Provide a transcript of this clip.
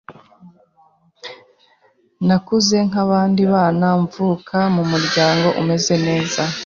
Nakuze nk’abandi bana mvuka mu muryango umeze neza